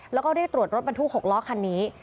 แล้วก็เรียกตรวจรถบรรทุก๖ล้อคันนี้